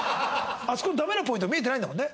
あそこのダメなポイント見えてないんだもんね？